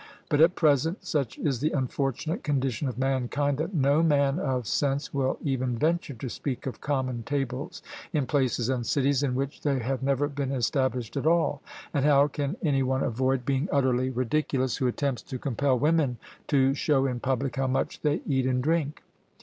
But at present, such is the unfortunate condition of mankind, that no man of sense will even venture to speak of common tables in places and cities in which they have never been established at all; and how can any one avoid being utterly ridiculous, who attempts to compel women to show in public how much they eat and drink?